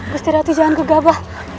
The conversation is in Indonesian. gusti ratu jangan kegabah